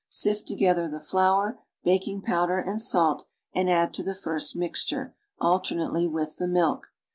Sift together the flour, baking powder and salt and add to the first mixture, alternately, with the milk.